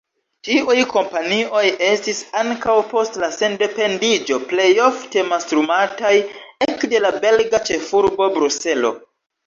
Tiuj kompanioj estis, ankaŭ post la sendependiĝo, plejofte mastrumataj ekde la belga ĉefurbo Bruselo.